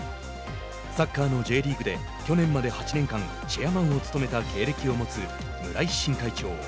サッカーのＪリーグで去年まで８年間チェアマンを務めた経歴を持つ村井新会長。